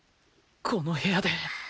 この部屋で